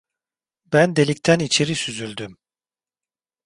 Ben delikten içeri süzüldüm.